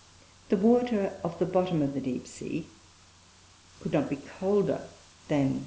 the water of the bottom of the deep sea could not be colder than 39°.